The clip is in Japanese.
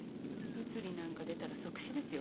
物理なんか出たら即死ですよ